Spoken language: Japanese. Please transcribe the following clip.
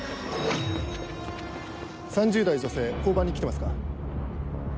３０代女性交番に来てますか？